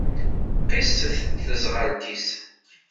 Qisset teẓɣelt-is.